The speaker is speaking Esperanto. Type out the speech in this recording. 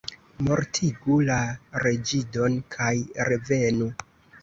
Mortigu la reĝidon kaj revenu!